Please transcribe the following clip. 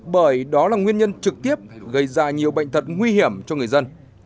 bởi đó là nguyên nhân trực tiếp gây ra nhiều bệnh thật nguy hiểm cho người dân